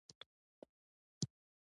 غول د پټ درد نقشه ده.